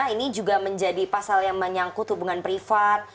ini juga menjadi pasal yang menyangkut hubungan privat